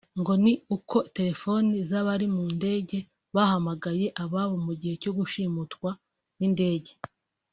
ngo ni uko telefoni z’abari mu ndege bahamagaye ababo mu gihe cyo gushimutwa kw’indege